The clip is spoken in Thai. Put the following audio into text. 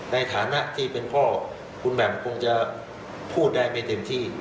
ในฐานะที่เป็นพ่อคุณแหม่มคงจะพูดได้ไม่เต็มที่